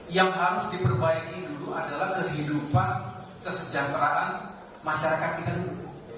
yang harus diperbaiki dulu adalah kehidupan kesejahteraan masyarakat kita dulu